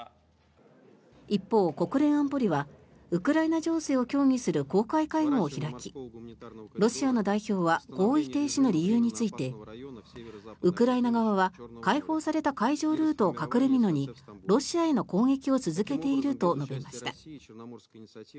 一方、国連安保理はウクライナ情勢を協議する公開会合を開きロシアの代表は合意停止の理由についてウクライナ側は開放された海上ルートを隠れみのにロシアへの攻撃を続けていると述べました。